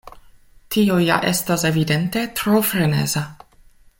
Tio ja estas evidente tro freneza!